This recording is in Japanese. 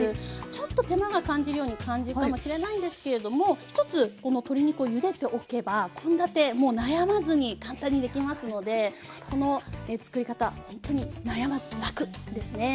ちょっと手間を感じるように感じるかもしれないんですけれども１つこの鶏肉をゆでておけば献立もう悩まずに簡単にできますのでこの作り方ほんっとに悩まずラク！ですね。